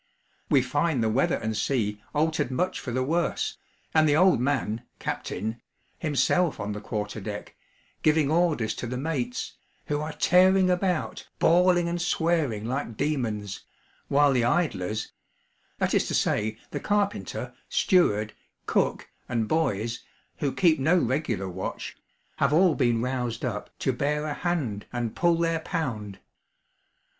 We find the weather and sea altered much for the worse, and the Old Man (captain) himself on the quarter deck, giving orders to the mates, who are tearing about, bawling and swearing like demons; while the 'idlers' that is to say, the carpenter, steward, cook, and boys, who keep no regular watch have all been roused up, to bear a hand, and 'pull their pound.'